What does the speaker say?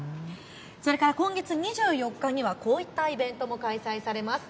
それから今月２４日にはこういったイベントも開催されます。